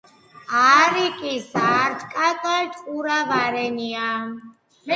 არიკის ართკაკალი ტყურა ვარენია.